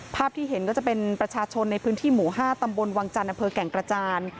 ภาพที่เห็นก็จะเป็นประชาชนในพื้นที่หมู่๕ตำบลวังจันทร์อำเภอแก่งกระจาน